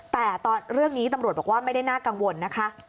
แต่เรื่องนี้ตำรวจบอกว่าไม่ได้น่ากังวลนะคะ